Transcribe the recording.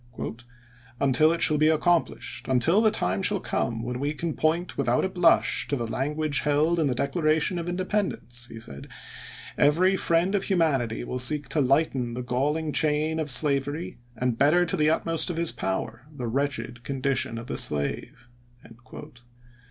" Until it shall be accomplished, until the time shall come when we can point without a blush to the language held in the Declaration of Independence," he said, "every friend of humanity will seek to lighten the galling chain of slavery and better to the utmost of his power the wretched condition of the slave."